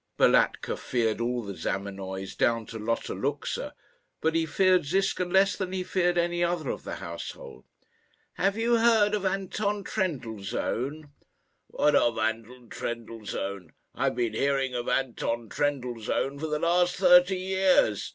Balatka feared all the Zamenoys, down to Lotta Luxa; but he feared Ziska less than he feared any other of the household. "Have you heard of Anton Trendellsohn?" "What of Anton Trendellsohn? I have been hearing of Anton Trendellsohn for the last thirty years.